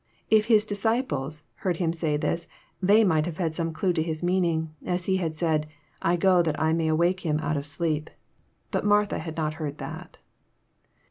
If his disciples heard him say this, they might have some clue to his meaning, as He had said, *' I go that I may awake him out of sleep." But Martha had not heard that.